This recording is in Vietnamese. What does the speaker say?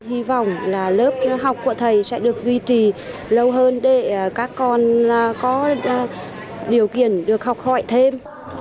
hy vọng là lớp học của thầy sẽ được duy trì lâu hơn để các con có điều kiện được học hỏi thêm